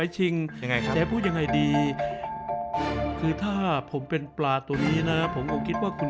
ตรงใต้ลิ้น